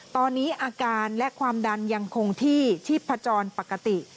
ตอนนี้อาการและความดันยังคงที่ชีพจรปกติ